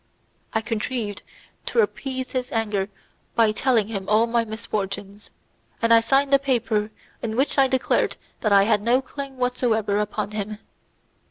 I contrived to appease his anger by telling him all my misfortunes, and I signed a paper in which I declared that I had no claim whatever upon him.